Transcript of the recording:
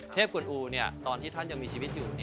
กวนอูตอนที่ท่านยังมีชีวิตอยู่